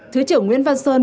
thứ trưởng nguyễn văn sơn